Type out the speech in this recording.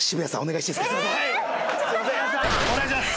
お願いします。